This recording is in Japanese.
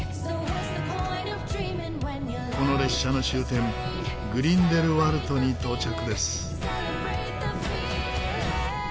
この列車の終点グリンデルワルトに到着です。